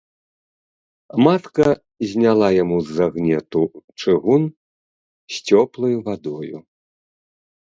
Матка зняла яму з загнету чыгун з цёплаю вадою.